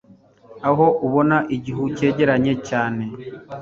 aho ubona igihu cyegeranya cyane